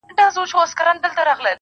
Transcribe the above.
o چي ستا به اوس زه هسي ياد هم نه يم.